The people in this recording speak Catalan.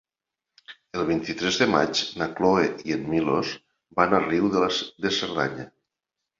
El vint-i-tres de maig na Cloè i en Milos van a Riu de Cerdanya.